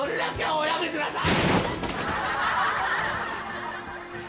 おやめください！